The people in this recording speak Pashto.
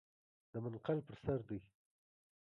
د منقل پر سر دی .